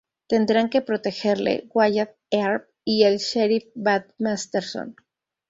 Tendrán que protegerle Wyatt Earp y el sheriff Bat Masterson.